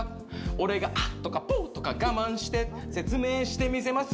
俺がＡｈ！とかＰｏｗ！とか我慢して説明してみせます。